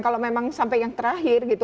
kalau memang sampai yang terakhir gitu